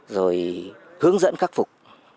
rồi hướng dẫn khắc phục